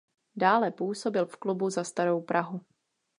Dále působil v Klubu Za starou Prahu.